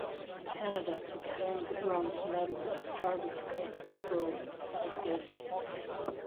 Canada took home the bronze medal as Jarvis scored four goals in five games.